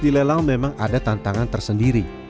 lelang bekas di lelang memang ada tantangan tersendiri